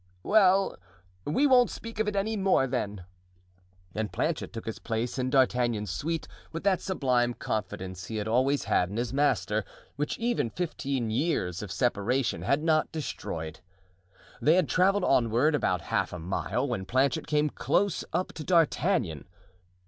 "Well, we won't speak of it any more, then;" and Planchet took his place in D'Artagnan's suite with that sublime confidence he had always had in his master, which even fifteen years of separation had not destroyed. They had traveled onward about half a mile when Planchet came close up to D'Artagnan.